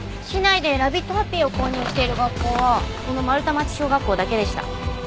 市内でラビットハッピーを購入している学校はこの丸太町小学校だけでした。